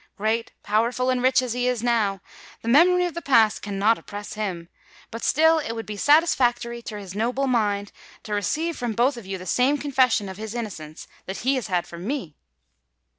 Great, powerful, and rich as he now is, the memory of the past cannot oppress him; but still it would be satisfactory to his noble mind to receive from both of you the same confession of his innocence that he has had from me."